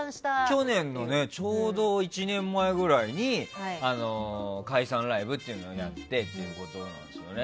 去年のちょうど１年前ぐらいに解散ライブっていうのをやってということなんですよね。